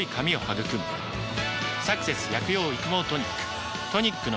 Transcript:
「サクセス薬用育毛トニック」